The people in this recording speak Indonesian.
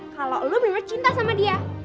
kalau lo bener bener cinta sama dia